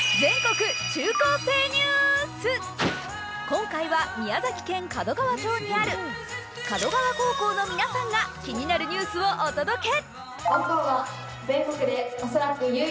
今回は、宮崎県門川町にある門川高校の皆さんが気になるニュースをお届け。